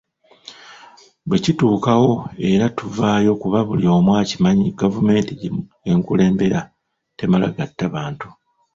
Bwe kituukawo era tuvaayo kuba buli omu akimanyi gavumenti gye nkulembera temala gatta bantu.